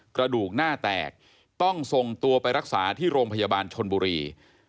กระดูกหน้าแตกต้องส่งตัวไปรักษาที่โรงพยาบาลชนบุรี